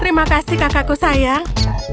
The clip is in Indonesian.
terima kasih kakakku sayang